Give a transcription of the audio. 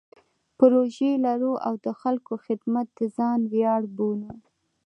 پروژې لرو او د خلکو خدمت د ځان ویاړ بولو.